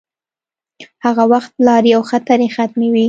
هغه وخت لارې او خطرې حتمې وې.